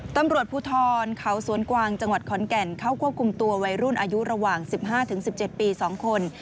ตำรวจภูทรเขาสวนกวางจังหวัดขอนแก่นเข้าควบคุมตัววัยรุ่นอายุระหว่าง๑๕๑๗ปี๒คน